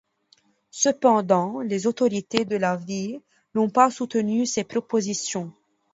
Cependant, les autorités de la ville n'ont pas soutenu ces propositions.